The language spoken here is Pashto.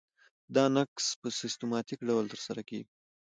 دا نقض په سیستماتیک ډول ترسره کیږي.